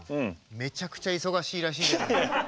めちゃくちゃ忙しいらしいじゃない。